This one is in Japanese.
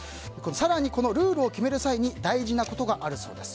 更に、このルールを決める際に大事なことがあるそうです。